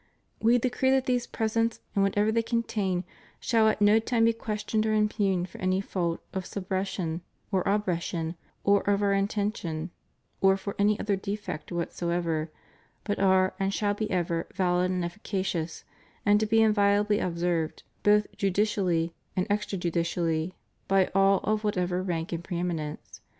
We decree that these presents and whatsoever they contain shall at no time be questioned or impugned for any fault of subreption, or obreption, or of Our intention, or for any other defect whatsoever; but are and shall be ever vahd and efficacious, and to be inviolably observed, both judicially and extra judicially, by all of whatsoever rank and pre eminence.